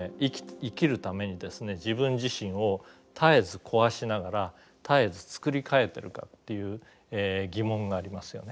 自分自身を絶えず壊しながら絶えず作り替えてるかっていう疑問がありますよね。